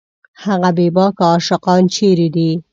هغه بېباکه عاشقان چېرې دي